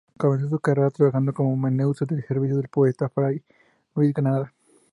Comenzó su carrera trabajando como amanuense al servicio del poeta fray Luis de Granada.